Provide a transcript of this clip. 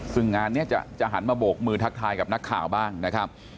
ซึ่งงานนี้จะหันมาโบกมือทักทายกับนักข่าวบ้างนะครับ